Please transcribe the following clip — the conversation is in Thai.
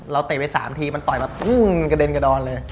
เตะไป๓ทีมันต่อยมาตุ้มกระเด็นกระดอนเลย